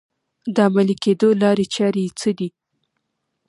د عملي کېدو لارې چارې یې څه دي؟